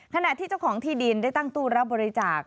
ขณะที่เจ้าของที่ดินได้ตั้งตู้รับบริจาค